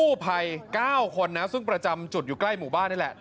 กู้ภัย๙คนนะซึ่งประจำจุดอยู่ใกล้หมู่บ้านนี่แหละ